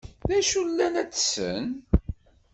D acu i llan ad tessen?